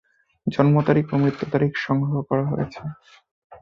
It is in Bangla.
জন্ম তারিখ ও মৃত্যু তারিখ সংগ্রহ করা হয়েছে।